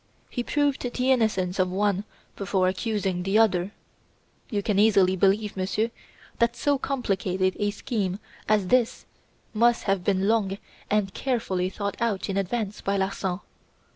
He proved the innocence of one before accusing the other. You can easily believe, Monsieur, that so complicated a scheme as this must have been long and carefully thought out in advance by Larsan.